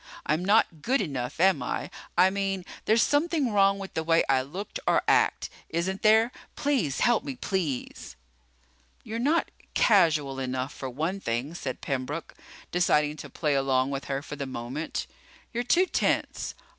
"I'm not good enough, am I? I mean, there's something wrong with the way I look or act. Isn't there? Please help me, please!" "You're not casual enough, for one thing," said Pembroke, deciding to play along with her for the moment. "You're too tense.